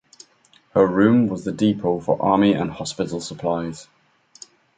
Her room was the depot for army and hospital supplies.